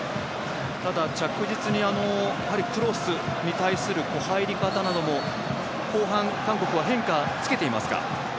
ただ、着実に、やはりクロスに対する入り方なども後半、韓国は変化つけていますか。